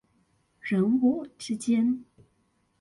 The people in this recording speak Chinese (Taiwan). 人我之間